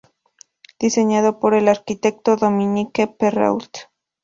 Diseñado por el arquitecto Dominique Perrault.